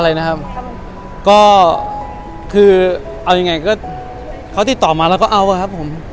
อะไรนะครับก็คือเอายังไงก็เขาติดต่อมาแล้วก็เอาอะครับผม